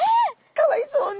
かわいそうに！